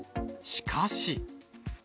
しかし。